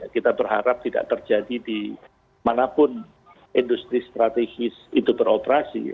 kita berharap tidak terjadi di manapun industri strategis itu beroperasi